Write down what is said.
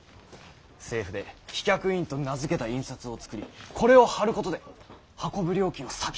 政府で「飛脚印」と名付けた印刷を作りこれを貼ることで運ぶ料金を先に納めるんだ。